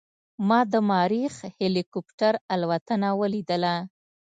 ما د مریخ هلیکوپټر الوتنه ولیدله.